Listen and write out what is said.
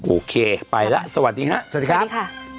โอเคไปละสวัสดีครับ